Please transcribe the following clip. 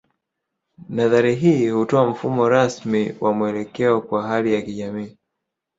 Nadhari hii hutoa mfumo rasmi wa mwelekeo kwa hali za kijamii